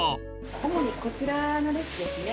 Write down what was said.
主にこちらの列ですね。